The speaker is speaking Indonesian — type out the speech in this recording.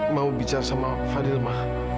mau bicara sama fadil mah